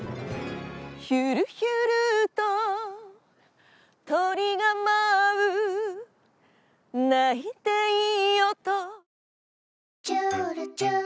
「ヒュルヒュルと海鳥が舞う」「泣いていいよと」